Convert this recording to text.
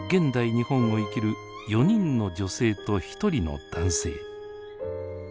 日本を生きる４人の女性と１人の男性。